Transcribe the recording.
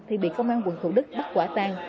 thì bị công an quận thủ đức bắt quả tang